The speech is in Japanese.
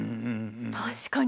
確かに。